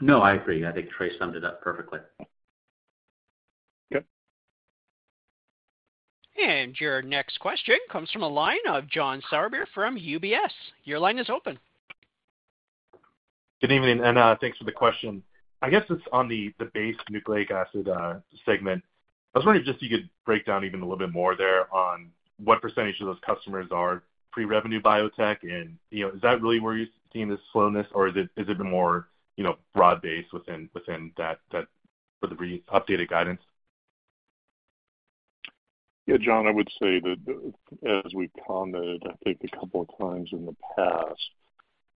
Speaker 4: No, I agree. I think Trey summed it up perfectly.
Speaker 3: Yep.
Speaker 1: Your next question comes from the line of John Sourbeer from UBS. Your line is open.
Speaker 12: Good evening, and thanks for the question. I guess it's on the base nucleic acid segment. I was wondering if just you could break down even a little bit more there on what percentage of those customers are pre-revenue biotech, and you know, is that really where you're seeing this slowness, or is it more, you know, broad-based within that for the updated guidance?
Speaker 3: Yeah, John, I would say that as we've commented, I think a couple of times in the past,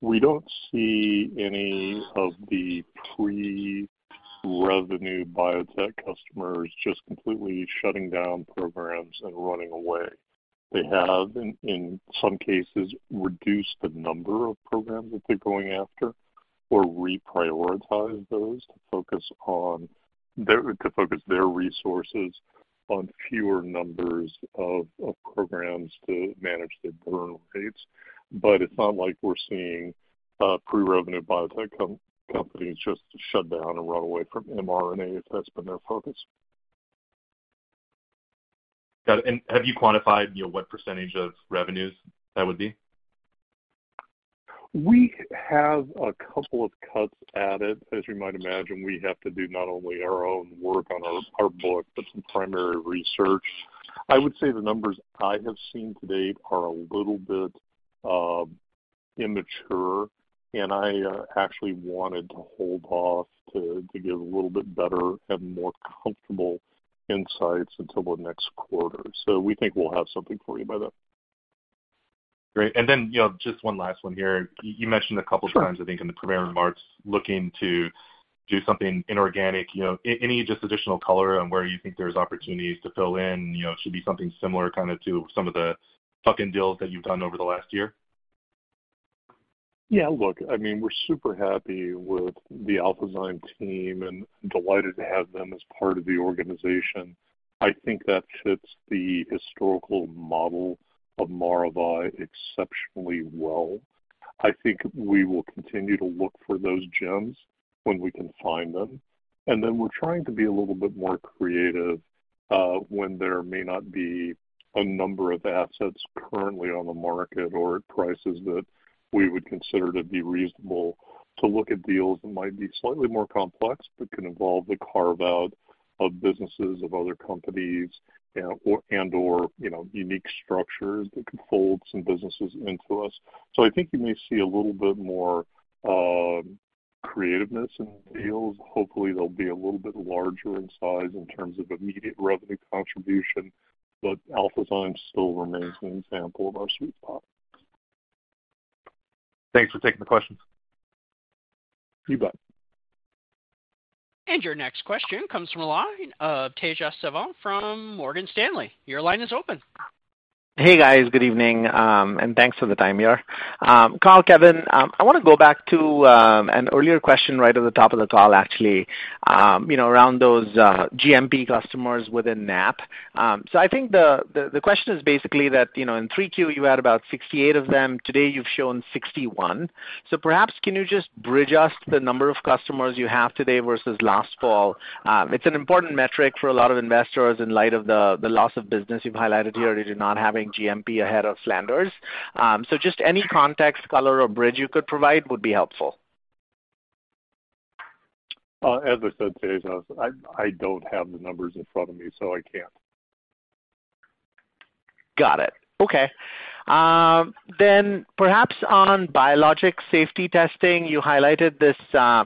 Speaker 3: we don't see any of the pre-revenue biotech customers just completely shutting down programs and running away. They have in some cases, reduced the number of programs that they're going after or reprioritized those to focus their resources on fewer numbers of programs to manage their burn rates. It's not like we're seeing pre-revenue biotech companies just shut down and run away from mRNA, if that's been their focus.
Speaker 12: Got it. Have you quantified, you know, what percentage of revenues that would be?
Speaker 3: We have a couple of cuts at it. As you might imagine, we have to do not only our own work on our books, but some primary research. I would say the numbers I have seen to date are a little bit immature, and I actually wanted to hold off to give a little bit better and more comfortable insights until the next quarter. We think we'll have something for you by then.
Speaker 12: Great. Then, you know, just one last one here.
Speaker 3: Sure.
Speaker 12: You mentioned a couple times, I think, in the prepared remarks, looking to do something inorganic. You know, any just additional color on where you think there's opportunities to fill in? You know, it should be something similar kinda to some of the tuck-in deals that you've done over the last year.
Speaker 3: Yeah. Look, I mean, we're super happy with the Alphazyme team and delighted to have them as part of the organization. I think that fits the historical model of Maravai exceptionally well. I think we will continue to look for those gems when we can find them. we're trying to be a little bit more creative, when there may not be a number of assets currently on the market or at prices that we would consider to be reasonable to look at deals that might be slightly more complex, that can involve the carve-out of businesses of other companies and/or, you know, unique structures that can fold some businesses into us. I think you may see a little bit more creativeness in deals. Hopefully they'll be a little bit larger in size in terms of immediate revenue contribution, but Alphazyme still remains an example of our sweet spot.
Speaker 5: Thanks for taking the questions.
Speaker 3: You bet.
Speaker 1: Your next question comes from the line of Tejas Savant from Morgan Stanley. Your line is open.
Speaker 13: Hey, guys. Good evening, thanks for the time here. Carl, Kevin, I want to go back to an earlier question right at the top of the call, actually, you know, around those GMP customers within NAP. I think the question is basically that, you know, in Q3 you had about 68 of them, today you've shown 61. Perhaps can you just bridge us the number of customers you have today versus last fall? It's an important metric for a lot of investors in light of the loss of business you've highlighted here due to not having GMP ahead of standards. Just any context, color or bridge you could provide would be helpful.
Speaker 3: As I said, Tejas, I don't have the numbers in front of me, so I can't.
Speaker 13: Got it. Okay. Perhaps on Biologics Safety Testing, you highlighted this,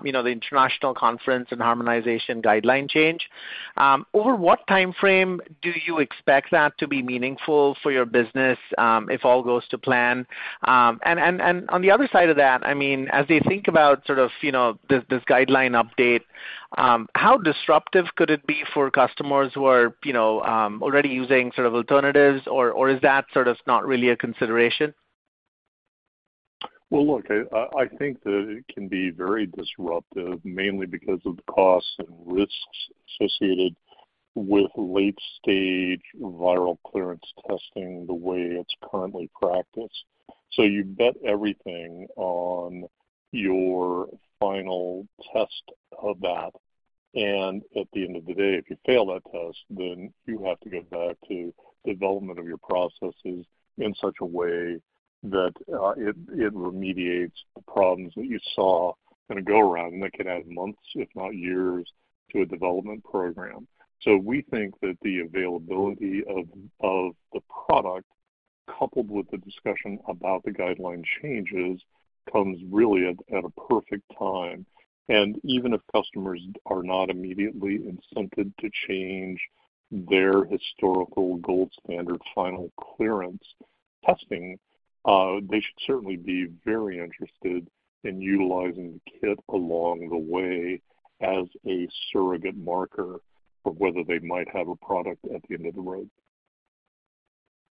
Speaker 13: you know, the International Conference on Harmonisation guideline change. Over what timeframe do you expect that to be meaningful for your business, if all goes to plan? On the other side of that, I mean, as they think about sort of, you know, this guideline update, how disruptive could it be for customers who are, you know, already using sort of alternatives or is that sort of not really a consideration?
Speaker 3: Well, look, I think that it can be very disruptive mainly because of the costs and risks associated with late stage viral clearance testing the way it's currently practiced. You bet everything on your final test of that. At the end of the day, if you fail that test, then you have to go back to development of your processes in such a way that it remediates the problems that you saw in a go-around, and that could add months if not years to a development program. We think that the availability of the product coupled with the discussion about the guideline changes comes really at a perfect time. Even if customers are not immediately incented to change their historical gold standard final clearance testing, they should certainly be very interested in utilizing the kit along the way as a surrogate marker for whether they might have a product at the end of the road.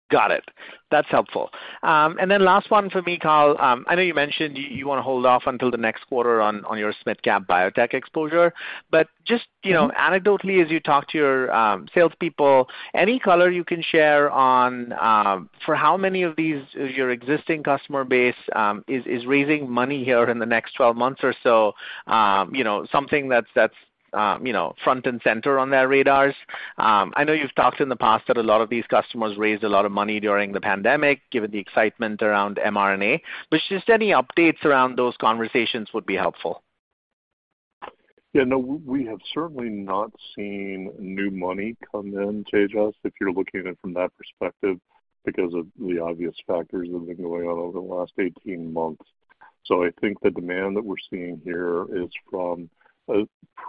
Speaker 13: Got it. That's helpful. Then last one for me, Carl. I know you mentioned you wanna hold off until the next quarter on your small cap biotech exposure. Just, you know, anecdotally, as you talk to your salespeople, any color you can share on for how many of these your existing customer base is raising money here in the next 12 months or so, you know, something that's, you know, front and center on their radars? I know you've talked in the past that a lot of these customers raised a lot of money during the pandemic, given the excitement around mRNA. Just any updates around those conversations would be helpful.
Speaker 3: Yeah, no, we have certainly not seen new money come in, Tejas Savant, if you're looking at it from that perspective, because of the obvious factors that have been going on over the last 18 months. I think the demand that we're seeing here is from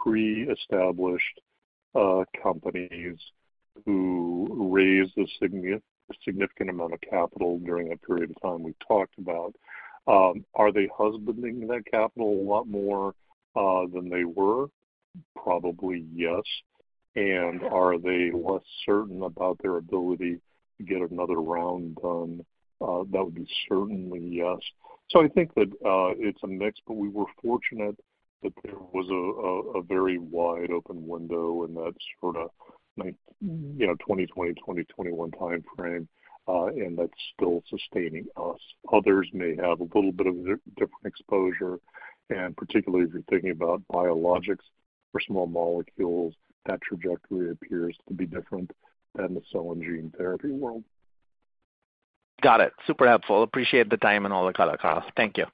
Speaker 3: pre-established companies who raised a significant amount of capital during that period of time we talked about. Are they husbanding that capital a lot more than they were? Probably, yes. Are they less certain about their ability to get another round done? That would be certainly yes. I think that it's a mix, but we were fortunate that there was a very wide open window in that sorta, you know, 2020, 2021 timeframe, and that's still sustaining us. Others may have a little bit of a different exposure, and particularly if you're thinking about biologics or small molecules, that trajectory appears to be different than the cell and gene therapy world.
Speaker 13: Got it. Super helpful. Appreciate the time and all the color, Carl. Thank you.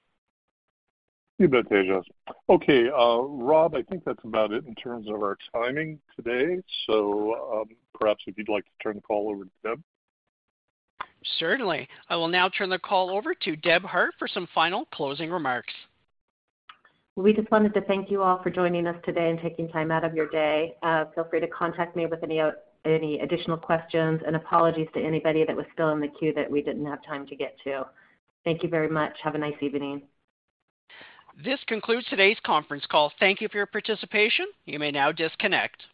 Speaker 3: You bet, Tejas. Okay, Rob, I think that's about it in terms of our timing today. Perhaps, if you'd like to turn the call over to Deb.
Speaker 1: Certainly. I will now turn the call over to Deb Hart for some final closing remarks.
Speaker 2: We just wanted to thank you all for joining us today and taking time out of your day. Feel free to contact me with any additional questions. Apologies to anybody that was still in the queue that we didn't have time to get to. Thank you very much. Have a nice evening.
Speaker 1: This concludes today's conference call. Thank you for your participation. You may now disconnect.